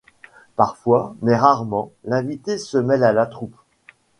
Parfois, mais rarement, l'invité se mêle à la troupe.